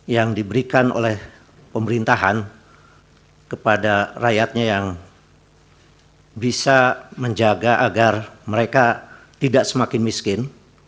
yang diberikan oleh pemerintahan kepada rakyatnya yang bisa menjaga agar mereka tidak semakin miskin